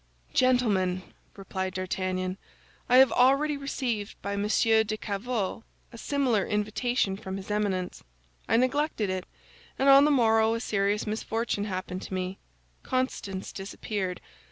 "Gentlemen," replied D'Artagnan, "I have already received by Monsieur de Cavois a similar invitation from his Eminence. I neglected it, and on the morrow a serious misfortune happened to me—Constance disappeared.